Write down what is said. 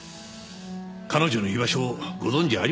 彼女の居場所をご存じありませんか？